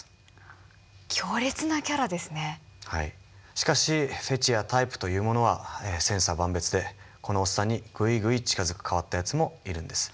しかしフェチやタイプというものは千差万別でこのおっさんにグイグイ近づく変わったやつもいるんです。